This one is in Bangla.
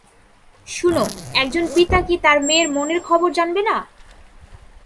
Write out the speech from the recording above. শুনো একজন পিতা কি তার মেয়ের মনের খবর জানবে না?